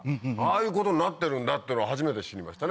ああいうことになってるんだってのは初めて知りましたね。